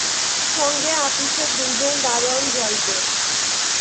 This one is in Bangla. সঙ্গে আপিসের দুইজন দরোয়ান যাইত।